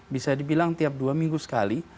bisa dibilang tiap dua minggu sekali